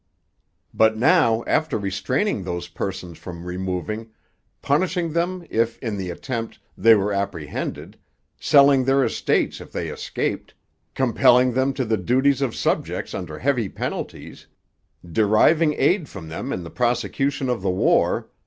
But, now, after restraining those persons from removing; punishing them, if, in the attempt, they were apprehended; selling their estates if they escaped; compelling them to the duties of subjects under heavy penalties; deriving aid from them in the prosecution of the war